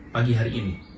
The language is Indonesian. pagi hari ini